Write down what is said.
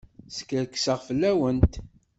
Skerkseɣ fell-awent.